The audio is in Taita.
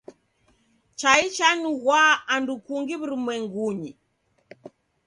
Chai chanyughwa andu kungi w'urumwengunyi.